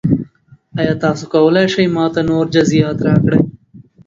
ایا تاسو کولی شئ ما ته نور جزئیات راکړئ؟